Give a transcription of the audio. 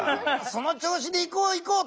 そのちょうしでいこういこう。